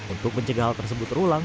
untuk mencegah hal tersebut terulang